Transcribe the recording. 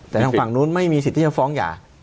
แต่ทางฝั่งนู้นไม่มีสิทธิ์ที่จะฟ้องหย่า